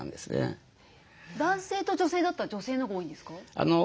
男性と女性だったら女性のほうが多いんですか？